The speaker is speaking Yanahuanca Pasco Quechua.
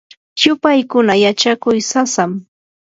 yupaykuna yachakuy sasam.